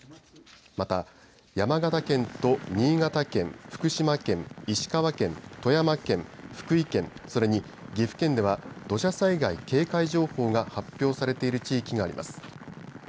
また山形県と新潟県、福島県、石川県、富山県、福井県、それに岐阜県では土砂災害警戒情報が発表されている地域があります。